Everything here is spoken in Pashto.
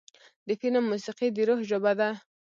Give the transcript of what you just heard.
د فلم موسیقي د روح ژبه ده.